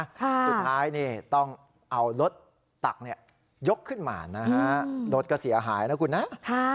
สุดท้ายต้องเอารถตักยกขึ้นมารถก็เสียหายนะคุณนะ